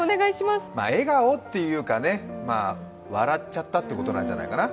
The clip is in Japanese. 笑顔っていうかね、笑っちゃったってことなんじゃないかな。